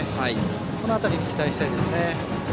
この辺りに期待したいです。